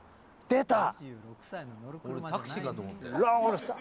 出た。